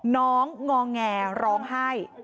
น้องงอแงร้องไห้